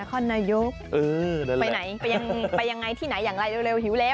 ไปยังไงที่ไหนอย่างไรเร็วหิวแล้ว